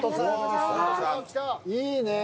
いいね。